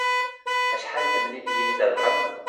Acḥal n temliliyin i trebḥem?